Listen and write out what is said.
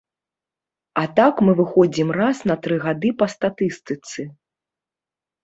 А так мы выходзім раз на тры гады па статыстыцы.